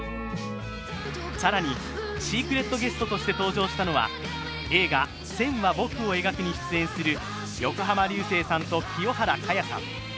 更にシークレットゲストとして登場したのは映画「線は、僕を描く」に出演する横浜流星さんと清原果耶さん。